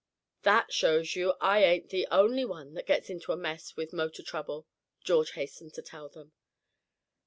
"That shows you that I ain't the only one that gets into a mess with motor trouble," George hastened to tell them.